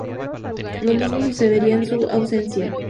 Lo mismo sucedería en su ausencia.